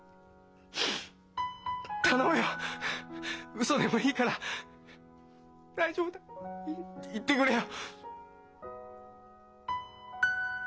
ウソでもいいから「大丈夫だ」って言ってくれよ！